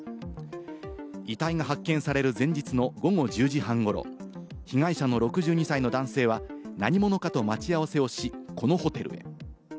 遺体が発見される前日の午後１０時半ごろ、被害者の６２歳の男性は何者かと待ち合わせをし、このホテルへ。